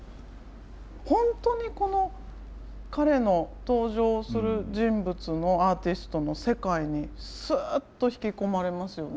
本当にこの彼の登場する人物のアーティストの世界にスッと引き込まれますよね。